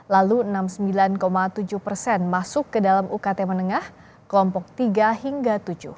lalu enam puluh sembilan tujuh persen masuk ke dalam ukt menengah kelompok tiga hingga tujuh